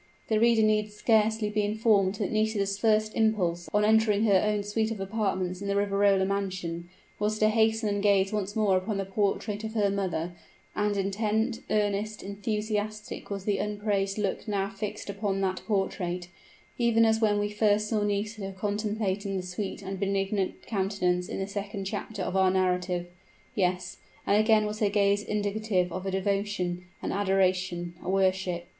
The reader need scarcely be informed that Nisida's first impulse, on entering her own suit of apartments in the Riverola mansion, was to hasten and gaze once more upon the portrait of her mother, and intent, earnest, enthusiastic was the upraised look now fixed upon that portrait, even as when we first saw Nisida contemplating the sweet and benignant countenance in the second chapter of our narrative. Yes: and again was her gaze indicative of a devotion, an adoration, a worship.